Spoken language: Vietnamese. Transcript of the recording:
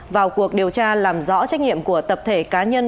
vào cuộc điều tra làm rõ trách nhiệm của tập thể cá nhân